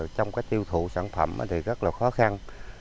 trong cái tiêu thụ sản phẩm thì rất là khó khăn